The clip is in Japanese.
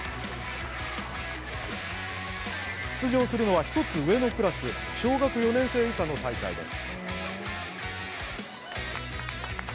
出場するのは、１つ上のクラス小学４年生以下の大会です。